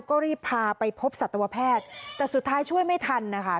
ก็รีบพาไปพบสัตวแพทย์แต่สุดท้ายช่วยไม่ทันนะคะ